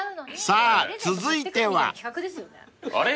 ［さあ続いては］あれ？